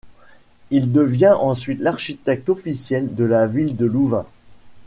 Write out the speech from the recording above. Il devient ensuite l'architecte officiel de la ville de Louvain.